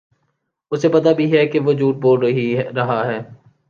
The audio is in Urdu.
اُسے پتہ بھی ہے کہ وہ جھوٹ بول رہا ہے